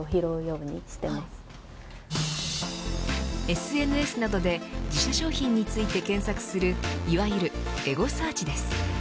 ＳＮＳなどで自社商品について検索するいわゆるエゴサーチです。